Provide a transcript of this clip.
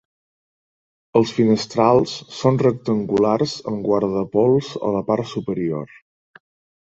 Els finestrals són rectangulars amb guardapols a la part superior.